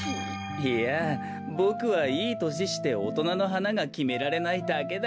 いやボクはいいとししておとなのはながきめられないだけだから。